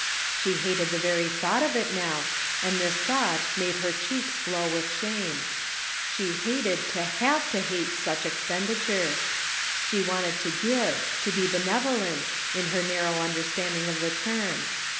She hated the very thought of it now, and this thought made her cheeks glow with shame. She hated to have to hate such expenditures. She wanted to give, to be benev 60 flie Pocket Measure. olent, in her narrow understanding of the term.